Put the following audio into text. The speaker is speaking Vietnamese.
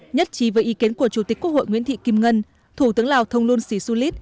nhất trí với ý kiến của chủ tịch quốc hội nguyễn thị kim ngân thủ tướng lào thong lun sì su lý